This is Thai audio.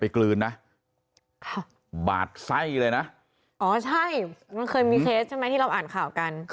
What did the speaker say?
คลายไหมคะ